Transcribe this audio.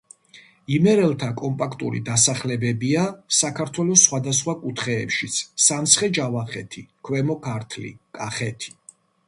იმერელთა კომპაქტური დასახლებებია საქართველოს სხვა კუთხეებშიც: სამცხე-ჯავახეთი, ქვემო ქართლი, კახეთი.